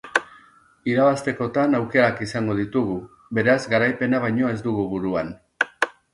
Irabaztekotan aukerak izango ditugu, beraz garaipena baino ez dugu buruan.